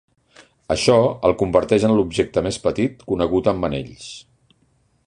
Això el converteix en l'objecte més petit conegut amb anells.